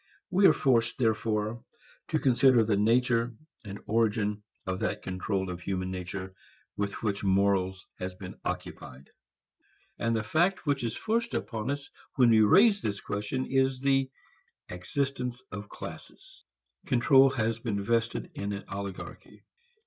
We are forced therefore to consider the nature and origin of that control of human nature with which morals has been occupied. And the fact which is forced upon us when we raise this question is the existence of classes. Control has been vested in an oligarchy.